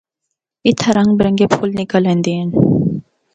اِتھا رنگ برنگے پُھل نکل ایندے ہن۔